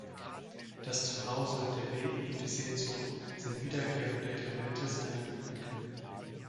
Das Zuhause, der Weg und die Sehnsucht sind wiederkehrende Elemente seiner Lyrik.